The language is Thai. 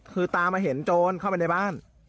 คือตามมาเห็นโจรเข้าไปในบ้าน